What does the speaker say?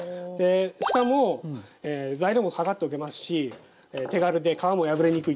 しかも材料も量っておけますし手軽で皮も破れにくいっていう。